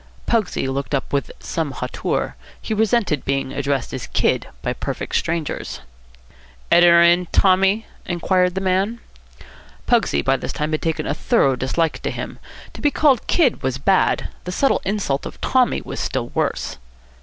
Pugsy looked up with some hauteur. He resented being addressed as "kid" by perfect strangers. "Editor in, Tommy?" inquired the man. Pugsy by this time had taken a thorough dislike to him. To be called "kid" was bad. The subtle insult of "Tommy" was still worse.